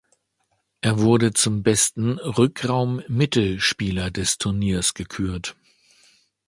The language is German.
Er wurde zum besten Rückraum-Mitte Spieler des Turniers gekürt.